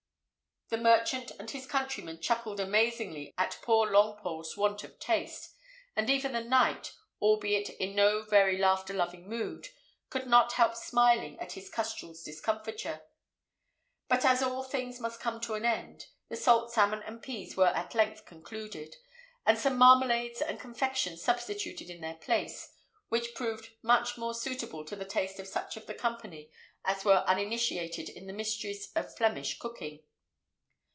The merchant and his countryman chuckled amazingly at poor Longpole's want of taste, and even the knight, albeit in no very laughter loving mood, could not help smiling at his custrel's discomfiture. But as all things must come to an end, the salt salmon and peas were at length concluded, and some marmalades and confections substituted in their place, which proved much more suitable to the taste of such of the company as were uninitiated in the mysteries of Flemish cookery.